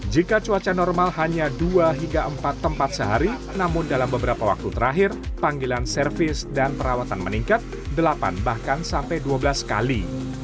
jika cuaca normal hanya dua hingga empat tempat sehari namun dalam beberapa waktu terakhir panggilan servis dan perawatan meningkat delapan bahkan sampai dua belas kali